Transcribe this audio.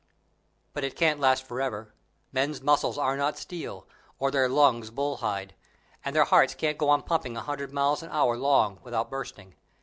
But it can't last forever; men's muscles are not steel, or their lungs bulls' hide, and hearts can't go on pumping a hundred miles an hour long, without bursting.